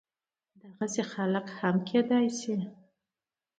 دغسې خلق هم کيدی شي